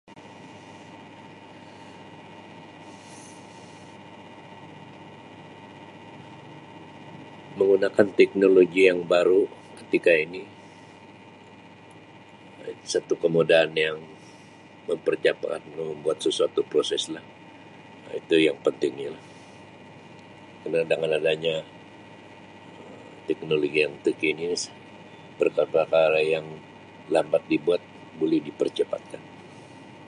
Menggunakan teknologi yang baru ketika ini satu kemudahan yang mempercapat membuat sesuatu proseslah Um itu yang pentingnya lah kadang ada kalanya teknologi yang terkini perkara-perkara yang lambat dibuat boleh dipercepatkan.